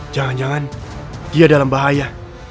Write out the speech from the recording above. jangan jangan dia dalam bahaya